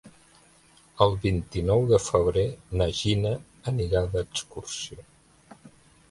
El vint-i-nou de febrer na Gina anirà d'excursió.